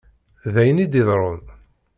D ayen i d-iḍeṛṛun.